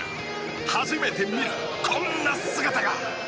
初めて見るこんな姿が。